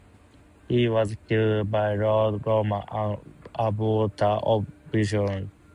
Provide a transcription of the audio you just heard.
He was killed by Lord Rama, an Avatar of Vishnu.